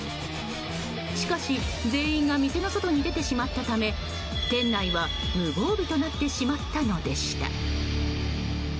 しかし、全員が店の外に出てしまったため店内は無防備となってしまったのでした。